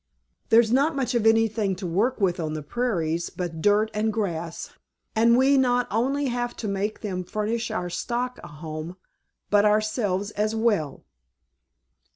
There's not much of anything to work with on the prairies but dirt and grass, and we not only have to make them furnish our stock a home but ourselves as well."